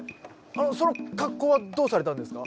その格好はどうされたんですか？